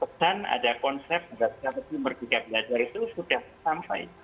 pesan ada konsep merdeka belajar itu sudah sampai